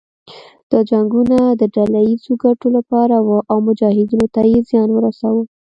دا جنګونه د ډله ييزو ګټو لپاره وو او مجاهدینو ته يې زیان ورساوه.